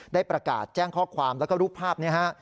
ได้ประกาศแจ้งข้อความแล้วก็รูปภาพนี้ฮะ